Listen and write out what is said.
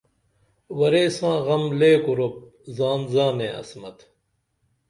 ورے ساں غم لے کُرُپ زان زانے عصمت